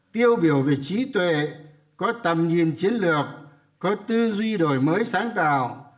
tiêu biểu về trí tuệ có tầm nhìn chiến lược có tư duy đổi mới sáng tạo